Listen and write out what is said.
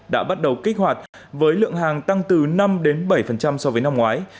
đã bắt đầu kích hoạt với lượng hàng tăng từ năm bảy so với năm ngoái